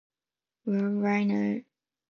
Rob Reiner was just a great target.